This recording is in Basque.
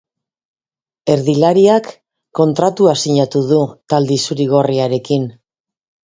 Erdilariak kontratua sinatu du talde zuri-gorriarekin.